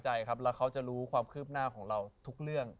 แล้วเขาจะรู้ความคืบหน้าของเราทุกเรื่อง